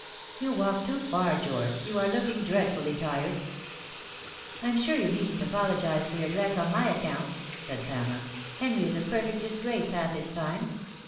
" You walk too far, George. You are looking dreadfully tired." " I'm sure you needn't apologise for your dress on my ac count," said Pamela. " Henry is a perfect disgrace half his time.